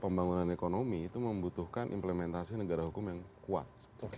pembangunan ekonomi itu membutuhkan implementasi negara hukum yang kuat